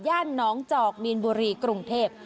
น้องจอกมีนบุรีกรุงเทพ